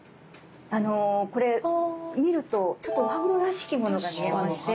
あのこれ見るとちょっとお歯黒らしきものが見えまして。